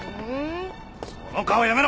その顔やめろ！